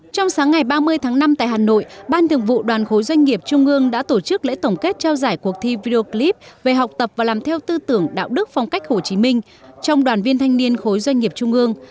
trong sáng ngày ba mươi tháng năm tại hà nội ban thường vụ đoàn khối doanh nghiệp trung ương đã tổ chức lễ tổng kết trao giải cuộc thi video clip về học tập và làm theo tư tưởng đạo đức phong cách hồ chí minh trong đoàn viên thanh niên khối doanh nghiệp trung ương